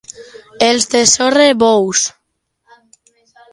Els de Sorre, bous.